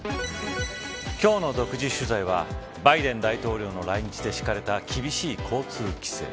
今日の独自取材はバイデン大統領の来日で敷かれた厳しい交通規制。